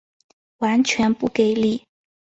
完全不给力